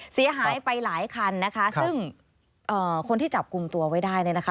เสียหายไปหลายคันนะคะซึ่งเอ่อคนที่จับกลุ่มตัวไว้ได้เนี่ยนะคะ